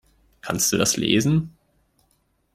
Kannst du das lesen?